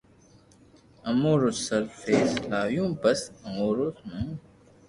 امو رو سر فيس لآيتو پسو او ئيئو مون